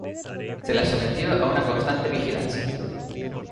Se las sometió a una constante vigilancia.